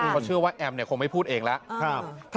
เขาเชื่อว่าแอมคงไม่พูดเองแล้ว